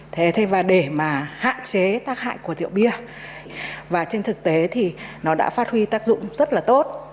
thế và để mà hạn chế tác hại của rượu bia và trên thực tế thì nó đã phát huy tác dụng rất là tốt